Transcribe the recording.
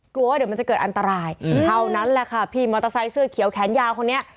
กลัวว่าเดี๋ยวมันจะเกิดอันตรายเท่านั้นแหละค่ะพี่มอเตอร์ไซค์เสื้อเขียวแขนยาวคนนี้